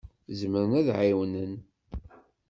Zemren ad d-ɛawnen.